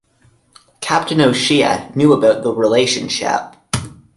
Captain O'Shea knew about the relationship.